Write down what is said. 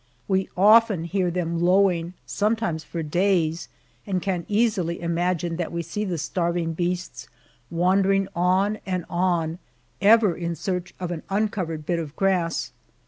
We often hear them lowing, sometimes for days, and can easily imagine that we see the starving beasts wandering on and on, ever in search of an uncovered bit of grass.